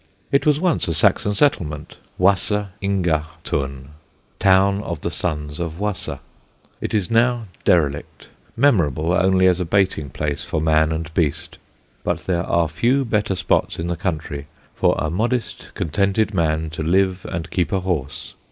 It was once a Saxon settlement (Wasa inga tun, town of the sons of Wasa); it is now derelict, memorable only as a baiting place for man and beast. But there are few better spots in the country for a modest contented man to live and keep a horse.